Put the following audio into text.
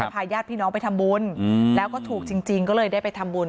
พาญาติพี่น้องไปทำบุญแล้วก็ถูกจริงก็เลยได้ไปทำบุญ